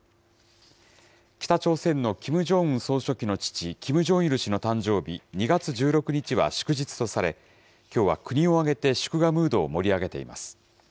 北朝鮮のキム・ジョンウン総書記の父、キム・ジョンイル氏の誕生日、２月１６日は祝日とされ、きょうは国を挙げて祝賀ムードを盛り上げています。